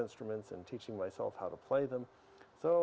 yang mungkin sangat terpaksa